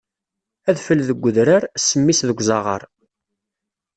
Adfel deg udrar, ssemm-is deg uẓaɣar.